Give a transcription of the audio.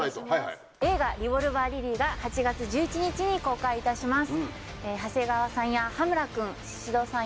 映画『リボルバー・リリー』が８月１１日に公開いたします。